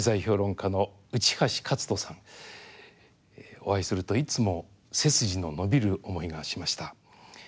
お会いするといつも背筋の伸びる思いがしました。